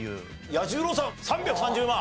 彌十郎さん３３０万！？